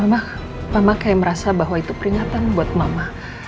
mama kayak merasa bahwa itu peringatan buat mama